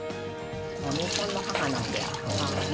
未婚の母なんで。